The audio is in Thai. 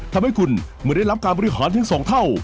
ทำให้คุณเมื่อได้รับการบริหารเพียง๒เท่า